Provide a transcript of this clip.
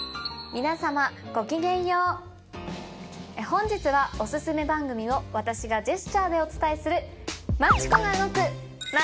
本日はお薦め番組を私がジェスチャーでお伝えする。